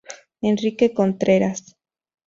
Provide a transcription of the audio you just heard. Enrique Contreras.